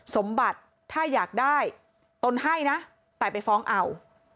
สมบัติถ้าอยากได้ตนให้นะแต่ไปฟ้องเอา